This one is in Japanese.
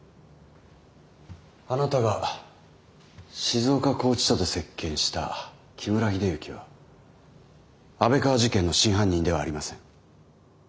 あなたが静岡拘置所で接見した木村秀幸は安倍川事件の真犯人ではありません。